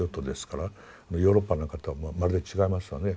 ヨーロッパなんかとはまるで違いますわね。